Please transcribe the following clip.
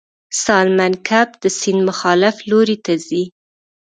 سالمن کب د سیند مخالف لوري ته ځي